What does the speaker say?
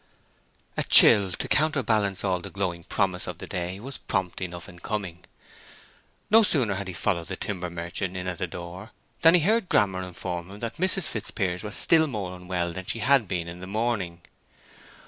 A chill to counterbalance all the glowing promise of the day was prompt enough in coming. No sooner had he followed the timber merchant in at the door than he heard Grammer inform him that Mrs. Fitzpiers was still more unwell than she had been in the morning.